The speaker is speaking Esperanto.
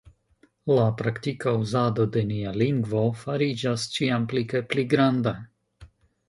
La praktika uzado de nia lingvo fariĝas ĉiam pli kaj pli granda.